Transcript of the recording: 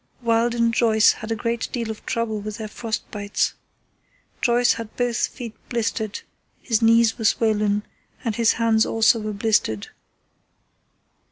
Wild and Joyce had a great deal of trouble with their frost bites. Joyce had both feet blistered, his knees were swollen, and his hands also were blistered.